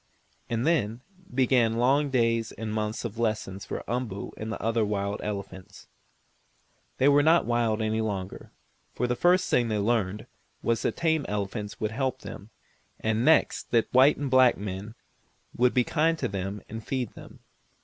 And then began long days and months of lessons for Umboo and the other wild elephants. They were not wild any longer, for the first thing they learned was that the tame elephants would help them, and next that the white and black men would be kind to them and feed them.